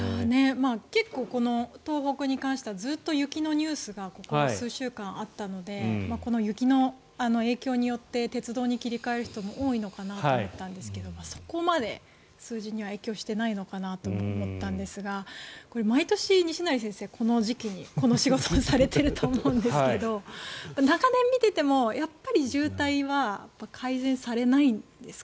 結構、東北に関してはずっと雪のニュースがここ数週間あったので雪の影響によって鉄道に切り替える人も多いのかなと思ったんですがそこまで数字には影響していないのかなとも思ったんですが毎年、西成先生この時期にこの仕事をされていると思うんですが長年見ていても渋滞は解消されないんですか？